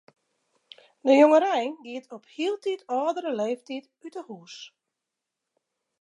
De jongerein giet op hieltyd âldere leeftiid út 'e hús.